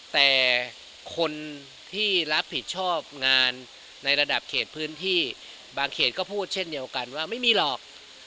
แต่คนที่รับผิดชอบงานในระดับเขตพื้นที่บางเขตก็พูดเช่นเดียวกันว่าไม่มีหรอก